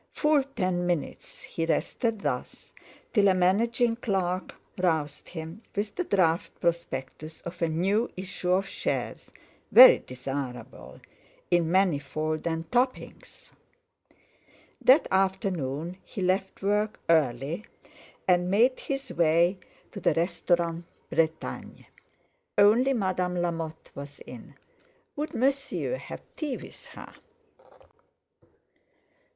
Full ten minutes he rested thus, till a managing clerk roused him with the draft prospectus of a new issue of shares, very desirable, in Manifold and Topping's. That afternoon he left work early and made his way to the Restaurant Bretagne. Only Madame Lamotte was in. Would Monsieur have tea with her?